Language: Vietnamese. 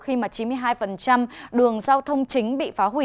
khi mà chín mươi hai đường giao thông chính bị phá hủy